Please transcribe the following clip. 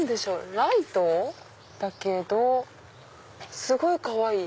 ライトだけどすごいかわいい！